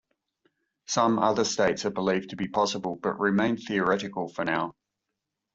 Some other states are believed to be possible but remain theoretical for now.